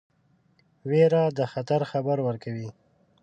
ویره د خطر خبر ورکوي.